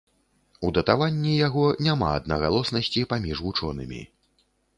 У датаванні яго няма аднагалоснасці паміж вучонымі.